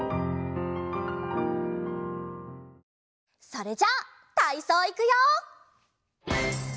それじゃたいそういくよ！